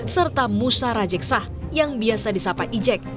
serta musa rajeksah yang biasa disapa ijek